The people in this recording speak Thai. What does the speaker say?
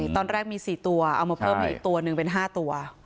ตอนแรกมี๔ตัวเอามาเพิ่มอีกตัวหนึ่งเป็น๕ตัว